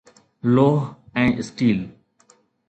لوهه ۽ اسٽيل